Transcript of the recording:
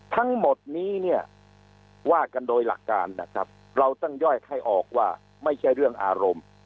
ทั้งหมดนี้เนี่ยว่ากันโดยหลักการนะครับเราต้องย่อยให้ออกว่าไม่ใช่เรื่องอารมณ์